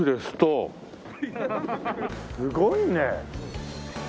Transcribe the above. すごいね！